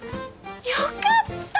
よかった！